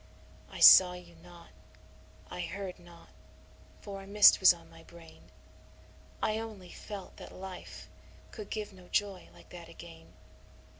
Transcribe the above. I saw you not, I heard not, for a mist was on my brain I only felt that life could give no joy like that again.